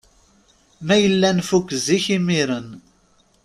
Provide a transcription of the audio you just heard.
Ma yella nfuk zik imiren.